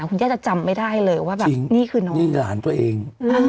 คุณย่าจะจำไม่ได้เลยว่าแบบนี่คือน้องนี่หลานตัวเอง